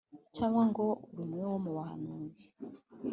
cyangwa ngo uri umwe wo mu bahanuzi.”